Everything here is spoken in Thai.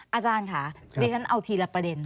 อาจารย์ค่ะดิฉันเอาทีละประเด็น